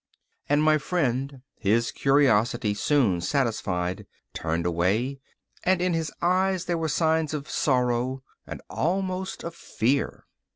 And my friend, his curiosity soon satisfied, turned away, and in his eyes there were signs of sorrow, and almost of fear.